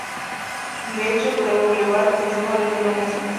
De hecho, tras "Boulevard" pensaba dejar la música.